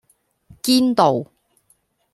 堅道